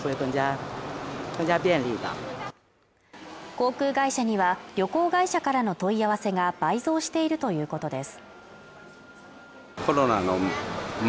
航空会社には旅行会社からの問い合わせが倍増しているということです